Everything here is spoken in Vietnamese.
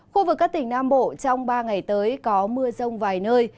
khu vực các tỉnh nam bộ trong ba ngày tới có mưa rông vài nơi